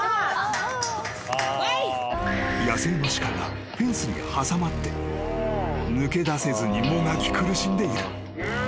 ［野生の鹿がフェンスに挟まって抜け出せずにもがき苦しんでいる］